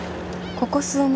ここ数年